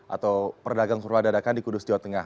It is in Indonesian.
atau pedagang kurma dadakan di kudus jawa tengah